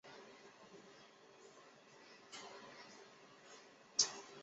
他的妻子夏洛特本有望继承英国王位。